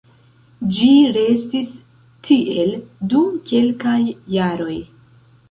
Ĝi restis tiel dum kelkaj jaroj.